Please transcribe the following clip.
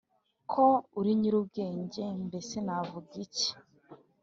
ko uri nyirubwenge mbese navuga iki?